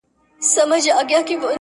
خو بيا هم پوښتني بې ځوابه پاتې کيږي تل,